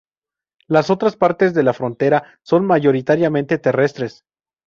Las otras partes de la frontera son mayoritariamente terrestres.